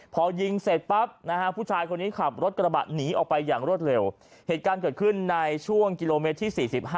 พอยิงเสร็จปั๊บนะฮะผู้ชายคนนี้ขับรถกระบะหนีออกไปอย่างรวดเร็วเหตุการณ์เกิดขึ้นในช่วงกิโลเมตรที่๔๕